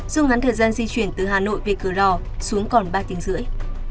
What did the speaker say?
dùng ngắn thời gian di chuyển từ hà nội về cửa lò xuống còn ba tiếng rưỡi